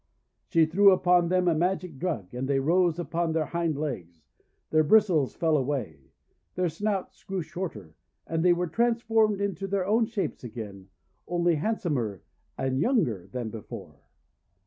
She threw upon them a magic drug, and they rose upon their hind legs. Their bristles fell away; their snouts grew shorter. And they were transformed into their own shapes again, only handsomer and younger than before.